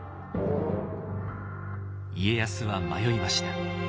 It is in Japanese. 家康は迷いました。